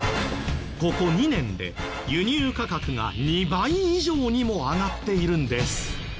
ここ２年で輸入価格が２倍以上にも上がっているんです。